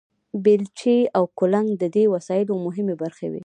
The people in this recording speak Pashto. بیلچې او کلنګ د دې وسایلو مهمې برخې وې.